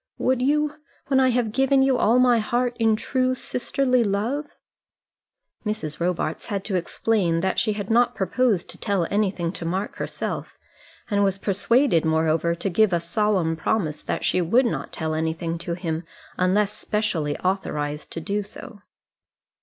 Would you when I have given you all my heart in true sisterly love?" Mrs. Robarts had to explain that she had not proposed to tell anything to Mark herself, and was persuaded, moreover, to give a solemn promise that she would not tell anything to him unless specially authorized to do so.